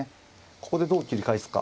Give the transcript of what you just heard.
ここでどう切り返すか。